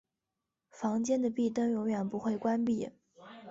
房间的壁灯永远不会关闭。